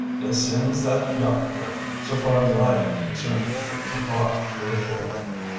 "This ends that yacht trip, so far as I am concerned," said Bob ruefully.